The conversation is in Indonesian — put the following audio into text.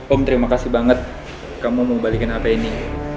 om terima kasih banget kamu mau balikin hp ini